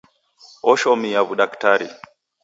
Oshomia w'udaktari.